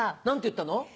何て言ったの？